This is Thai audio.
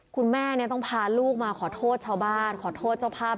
คุณแม่ต้องพาลูกมาขอโทษชาวบ้านขอโทษเจ้าภาพ